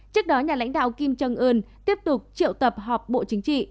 trước đó nhà lãnh đạo kim trần ươn tiếp tục triệu tập họp bộ chính trị